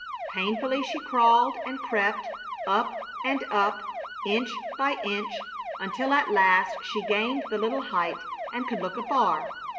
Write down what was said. Painfully she crawled and crept, up and up, inch by inch, until at last she gained the little height and could look afar.